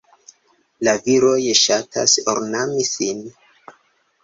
La viroj ŝatas ornami sin.